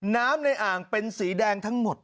น้ำในอ่างเป็นสีแดงทั้งหมด